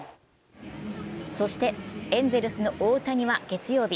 そして、エンゼルスの大谷は月曜日